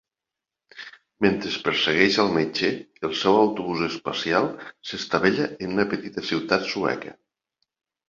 Mentre persegueix al metge, el seu autobús espacial s'estavella en una petita ciutat sueca.